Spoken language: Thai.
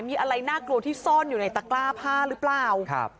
มีอะไรน่ากลัวที่ซ่อนอยู่ในตะกร้าผ้าหรือเปล่า